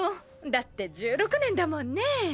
だって１６年だもんね。